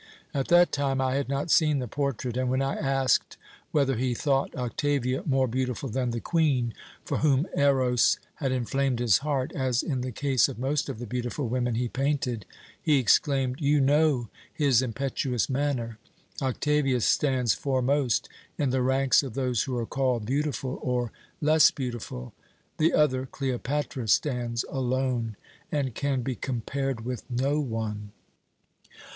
At that time I had not seen the portrait, and when I asked whether he thought Octavia more beautiful than the Queen, for whom Eros had inflamed his heart, as in the case of most of the beautiful women he painted, he exclaimed you know his impetuous manner 'Octavia stands foremost in the ranks of those who are called "beautiful" or "less beautiful"; the other, Cleopatra, stands alone, and can be compared with no one.'"